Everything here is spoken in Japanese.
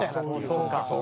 そうか。